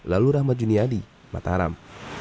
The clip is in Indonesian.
lalu rahmat juniadi mataram